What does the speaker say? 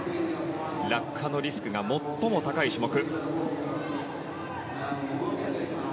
落下のリスクが最も高い種目。